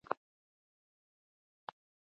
پوښتورګی څلور څپه ایزه ګړه ده.